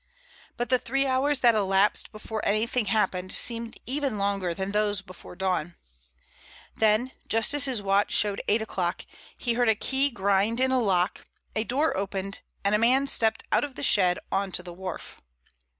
But the three hours that elapsed before anything happened seemed even longer than those before dawn. Then, just as his watch showed eight o'clock, he heard a key grind in a lock, a door opened, and a man stepped out of the shed on the wharf.